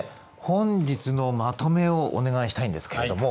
本日のまとめをお願いしたいんですけれども。